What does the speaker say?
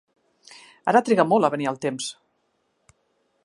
Ara triga molt a venir el temps.